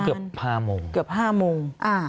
เกือบ๕โมง